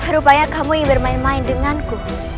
rupanya kamu yang bermain main denganku